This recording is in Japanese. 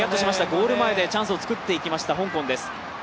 ゴール前でチャンスを作っていきました、香港です。